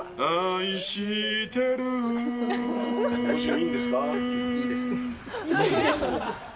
いいんです。